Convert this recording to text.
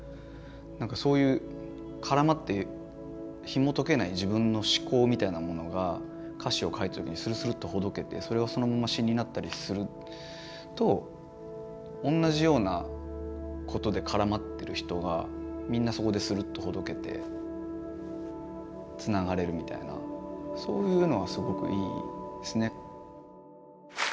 なんかそういう絡まってひもとけない自分の思考みたいなものが歌詞を書いた時にスルスルッとほどけてそれをそのまま詞になったりすると同じようなことで絡まってる人がみんなそこでスルッとほどけてつながれるみたいなそういうのはすごくいいですね。